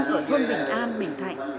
cựa thôn bình an bình thạnh